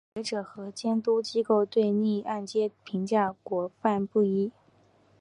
学者和监管机构对逆按揭评价褒贬不一。